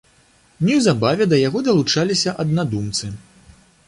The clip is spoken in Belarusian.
Неўзабаве да яго далучаліся аднадумцы.